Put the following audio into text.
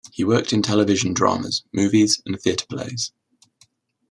He worked in television dramas, movies and theatre plays.